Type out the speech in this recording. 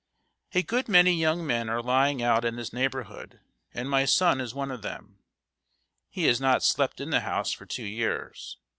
] "A good many young men are lying out in this neighborhood, and my son is one of them. He has not slept in the house for two years.